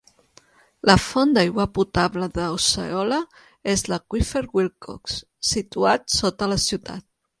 La font d'aigua potable de Osceola és l'aqüífer Wilcox, situat sota la ciutat.